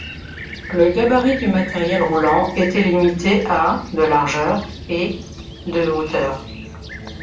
Le gabarit du matériel roulant était limité à de largeur et de hauteur.